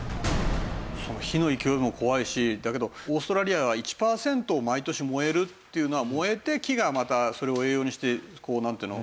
その火の勢いも怖いしだけどオーストラリアが１パーセント毎年燃えるっていうのは燃えて木がまたそれを栄養にしてこうなんていうの？